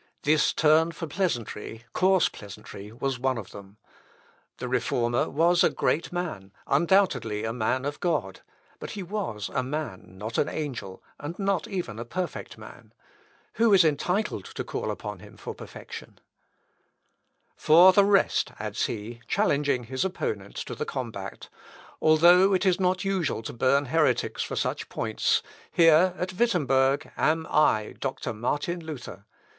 This turn for pleasantry, coarse pleasantry, was one of them. The Reformer was a great man, undoubtedly a man of God; but he was a man, not an angel, and not even a perfect man. Who is entitled to call upon him for perfection? "For the rest," adds he, challenging his opponents to the combat, "although it is not usual to burn heretics for such points, here, at Wittemberg, am I, Doctor Martin Luther!